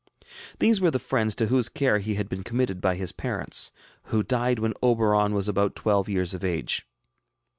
These were the friends to whose care he had been committed by his parents, who died when Oberon was about twelve years of age.